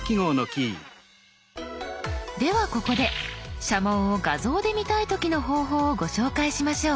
ではここで社紋を画像で見たい時の方法をご紹介しましょう。